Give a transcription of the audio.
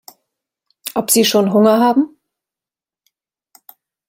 Ob sie schon Hunger haben?